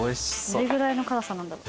どれぐらいの辛さなんだろ。